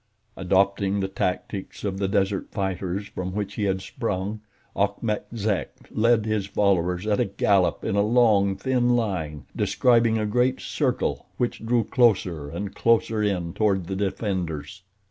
Adopting the tactics of the desert fighters from which he had sprung, Achmet Zek led his followers at a gallop in a long, thin line, describing a great circle which drew closer and closer in toward the defenders.